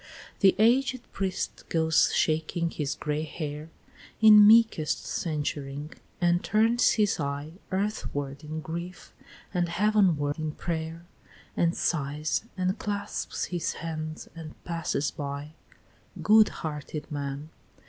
V. The aged priest goes shaking his gray hair In meekest censuring, and turns his eye Earthward in grief, and heavenward in pray'r, And sighs, and clasps his hands, and passes by, Good hearted man!